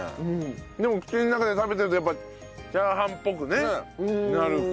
でも口の中で食べてるとやっぱチャーハンっぽくねなるし。